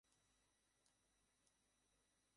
একটু দ্রুত শেষ করুন।